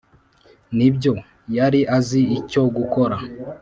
nibyo, yari azi icyo gukora, -